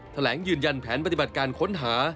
แถลงยืนยันแผนปฏิบัติการค้นหา